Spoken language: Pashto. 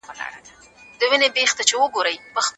هغه په لښکرګاه ښار کي د یوې میاشتې لپاره پاته سو.